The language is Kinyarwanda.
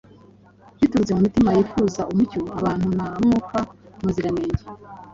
biturutse mu mitima yifuza umucyo, ubuntu na Mwuka Muziranenge.